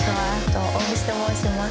大串と申します。